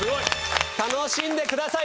「楽しんでください」